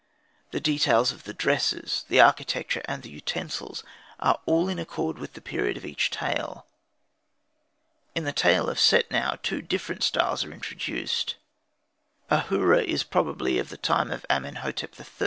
The details of the dresses, the architecture, and the utensils, are all in accord with the period of each tale. In the tale of Setnau two different styles are introduced. Ahura is probably of the time of Amenhotep III.